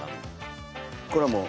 これはもう。